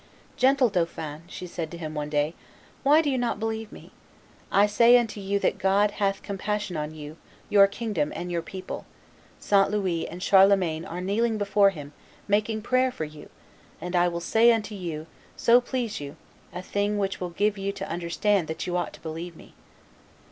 "Gentle dauphin," she said to him one day, "why do you not believe me? I say unto you that God hath compassion on you, your kingdom, and your people; St. Louis and Charlemagne are kneeling before Him, making prayer for you, and I will say unto you, so please you, a thing which will give you to understand that you ought to believe me."